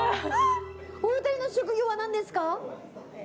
お２人の職業は何ですか？